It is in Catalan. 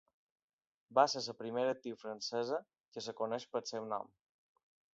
Va ser la primera actriu francesa que es coneix pel seu nom.